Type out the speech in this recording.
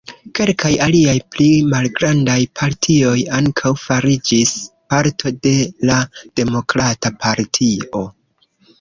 Kelkaj aliaj pli malgrandaj partioj ankaŭ fariĝis parto de la Demokrata Partio.